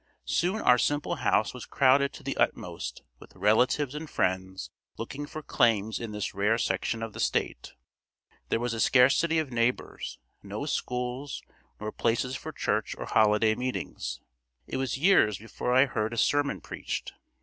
Soon our simple house was crowded to the utmost with relatives and friends looking for claims in this rare section of the state. There was a scarcity of neighbors, no schools nor places for church or holiday meetings. It was years before I heard a sermon preached.